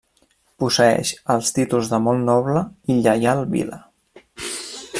Posseeix els títols de molt noble i lleial vila.